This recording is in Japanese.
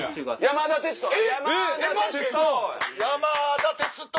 山田哲人